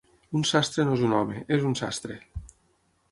Un sastre no és un home, és un sastre.